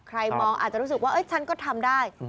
มองอาจจะรู้สึกว่าฉันก็ทำได้